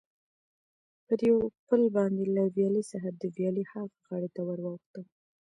پر یو پل باندې له ویالې څخه د ویالې ها غاړې ته ور واوښتم.